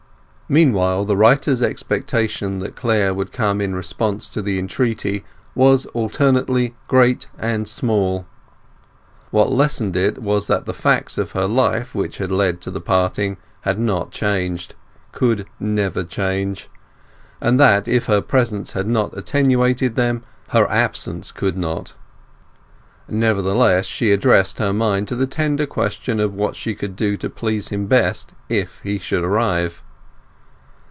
Meanwhile the writer's expectation that Angel would come in response to the entreaty was alternately great and small. What lessened it was that the facts of her life which had led to the parting had not changed—could never change; and that, if her presence had not attenuated them, her absence could not. Nevertheless she addressed her mind to the tender question of what she could do to please him best if he should arrive.